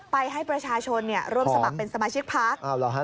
ให้ประชาชนร่วมสมัครเป็นสมาชิกพัก